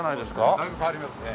だいぶ変わりますね。